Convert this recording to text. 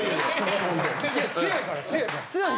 あ強いから。